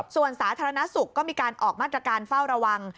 ส่วนสาธารณสุขก็มีการออกมาตรการเฝ้าระวัง